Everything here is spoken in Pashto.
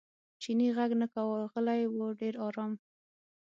چیني غږ نه کاوه غلی و ډېر ارام.